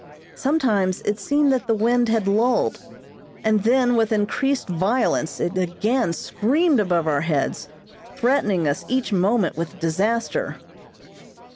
Sometimes it seemed that the wind had lulled, and then with increased violence it again screamed above our heads, threatening us each moment with disaster.